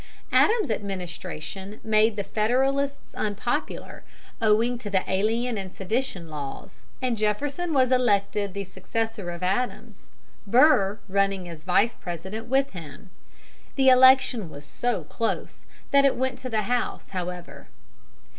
Adams's administration made the Federalists unpopular, owing to the Alien and Sedition laws, and Jefferson was elected the successor of Adams, Burr running as Vice President with him. The election was so close that it went to the House, however.